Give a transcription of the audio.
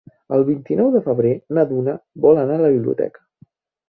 El vint-i-nou de febrer na Duna vol anar a la biblioteca.